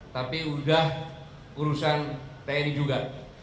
tapi udah urusan tni juga